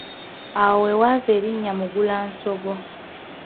Awo we wava erinnya Mugulansogo.